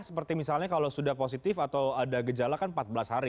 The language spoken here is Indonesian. seperti misalnya kalau sudah positif atau ada gejala kan empat belas hari